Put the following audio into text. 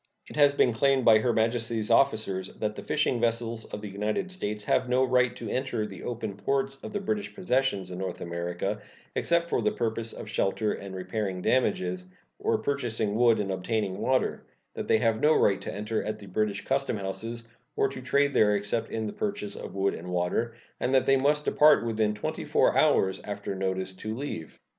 It has been claimed by Her Majesty's officers that the fishing vessels of the United States have no right to enter the open ports of the British possessions in North America, except for the purposes of shelter and repairing damages, of purchasing wood and obtaining water; that they have no right to enter at the British custom houses or to trade there except in the purchase of wood and water, and that they must depart within twenty four hours after notice to leave.